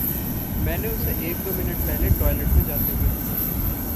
मैंने उसे एक-दो मिनट पहले टॉयलेट में जाते हुए देखा था।